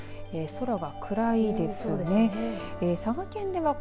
空が暗いですね。